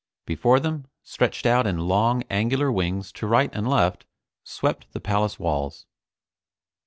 Before them, stretched out in long angular wings to right and left, swept the palace walls.